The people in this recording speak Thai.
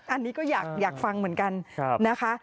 อันนี้ก็อยากฟังเหมือนกันนะคะ